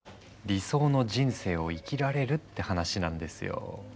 理想の人生を生きられるって話なんですよ。